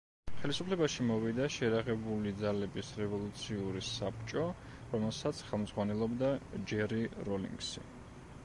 ხელისუფლებაში მოვიდა შეიარაღებული ძალების რევოლუციური საბჭო, რომელსაც ხელმძღვანელობდა ჯერი როლინგსი.